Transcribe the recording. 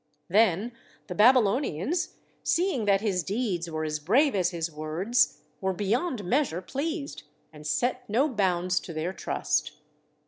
Then the Babylonians, seeing that his deeds were as brave as his words, were beyond measure pleased, and set no bounds to their trust.